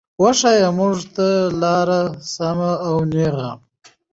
وښايه مونږ ته لاره سمه او نېغه